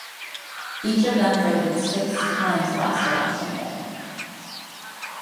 Each of them voted six times last election day.